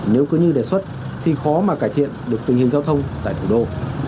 nếu cứ như đề xuất thì khó mà cải thiện được tình hình giao thông tại thủ đô